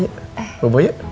udah dah yuk